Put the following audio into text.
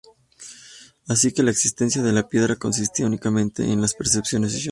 Así que la existencia de la piedra consistía únicamente en las "percepciones" de Johnson.